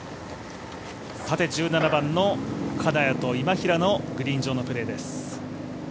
１７番の金谷と今平のグリーン上のプレーです。